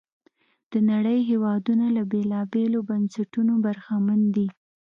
د نړۍ هېوادونه له بېلابېلو بنسټونو برخمن دي.